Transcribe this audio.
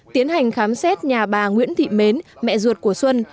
tiến hành khám xét nhà bà nguyễn thị mến mẹ ruột của xuân